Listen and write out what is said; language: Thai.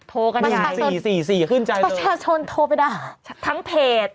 โทรกันได้สี่สี่สี่ขึ้นใจประชาชนโทรไปด่าทั้งเพจ